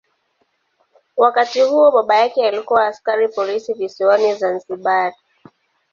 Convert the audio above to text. Wakati huo baba yake alikuwa askari polisi visiwani Zanzibar.